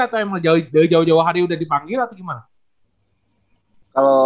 atau emang dari jauh jauh hari udah dipanggil atau gimana